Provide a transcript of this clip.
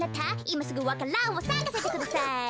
いますぐわか蘭をさかせてください。